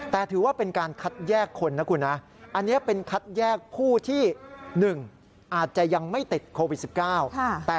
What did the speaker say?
แต่ถือว่าเป็นการคัดแยกคนนะคุณนะ